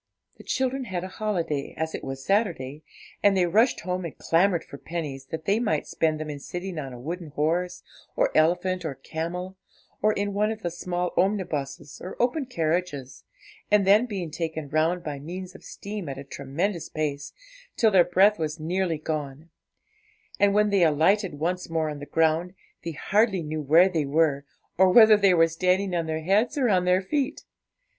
The children had a holiday, as it was Saturday, and they rushed home and clamoured for pennies, that they might spend them in sitting on a wooden horse, or elephant, or camel, or in one of the small omnibuses or open carriages, and then being taken round by means of steam at a tremendous pace, till their breath was nearly gone; and when they alighted once more on the ground, they hardly knew where they were, or whether they were standing on their heads or on their feet.